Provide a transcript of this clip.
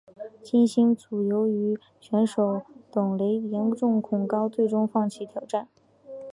金星组由于选手董蕾严重恐高最终放弃挑战。